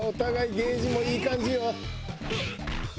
ゲージもいい感じよ。